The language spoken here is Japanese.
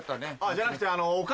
じゃなくてあの。